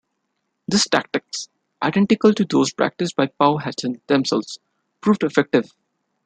These tactics, identical to those practiced by the Powhatan themselves, proved effective.